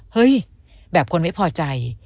เฮ้ยแบบคนไม่พอใจ